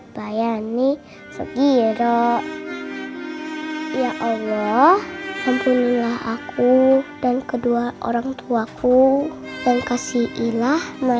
baik bapak andien kalau gitu saya permisi ya